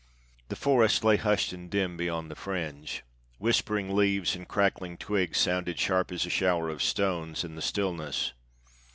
The forest lay hushed and dim beyond the fringe; whispering leaves and crackling twigs sounded sharp as a shower of stones in the stillness.